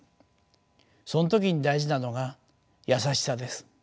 その時に大事なのが優しさです。